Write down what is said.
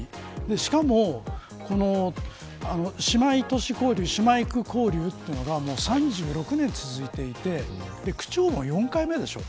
しかも、姉妹都市交流というのが３６年続いていて区長も４回目でしょ。